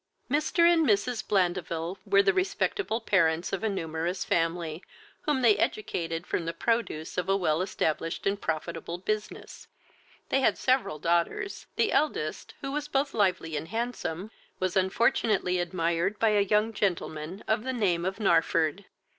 Mr. and Mrs. Blandeville were the respectacle parents of a numerous family, whom they educated from the produce of a well established and profitable business. They had several daughters; the eldest, who was both lively and handsome, was unfortunately admired by a young gentleman of the name of Narford.